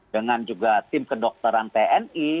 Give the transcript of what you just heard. dengan juga tim kedokteran tni